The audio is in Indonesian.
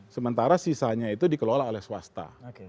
sementara sisanya itu dikelola oleh swasta